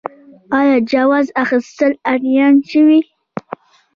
آیا د جواز اخیستل آنلاین شوي؟